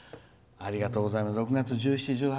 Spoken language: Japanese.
ありがとうございます。